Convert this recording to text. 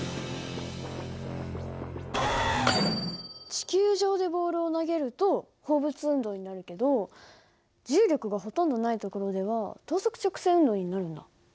地球上でボールを投げると放物運動になるけど重力がほとんどない所では等速直運動になるんだ。